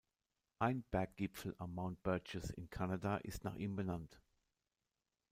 Ein Berggipfel am Mount Burgess in Kanada ist nach ihm benannt.